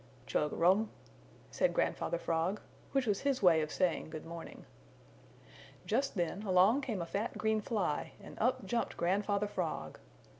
"Chug arum," said Grandfather Frog, which was his way of saying good morning. Just then along came a fat green fly and up jumped Grandfather Frog.